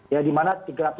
ya di mana